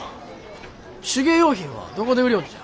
手芸用品はどこで売りよんじゃ。